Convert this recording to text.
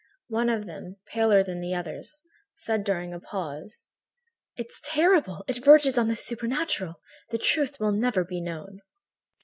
One of them, paler than the others, said during a pause: "It's terrible. It verges on the supernatural. The truth will never be known."